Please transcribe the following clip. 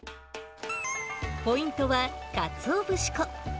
ポイントは、かつお節粉。